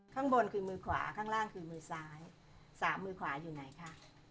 ข้างบนคือมือขวาข้างล่างคือมือซ้ายสามมือขวาอยู่ไหนคะ